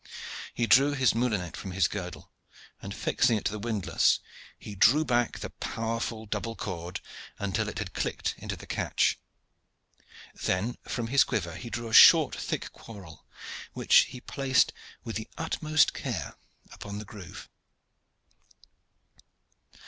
He drew his moulinet from his girdle, and fixing it to the windlass, he drew back the powerful double cord until it had clicked into the catch. Then from his quiver he drew a short, thick quarrel, which he placed with the utmost care upon the groove.